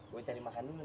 gua cari makan dulu nih